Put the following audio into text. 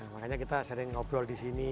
makanya kita sering ngobrol di sini